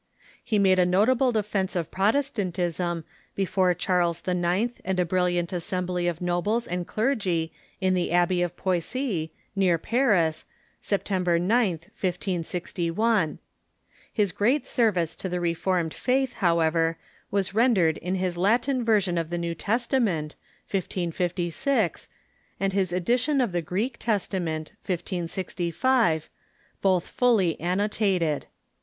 He made a notable defence of Protestantism before Charles IX. and a brilliant assembly of nobles and clergy in the Abbey of Poiss}'', near Paris, September 9th, 15G1. His great service to the Reformed faith, however, was rendered in his Latin version of the New Testament (1556) and his edi tion of the Greek Testament (1565), both fully annotated.